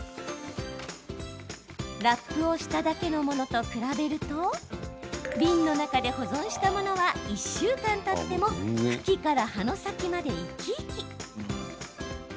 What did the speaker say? ラップをしただけのものと比べると瓶の中で保存したものは１週間たっても茎から葉の先まで生き生き。